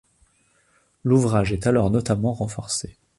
L'ouvrage est alors notablement renforcé.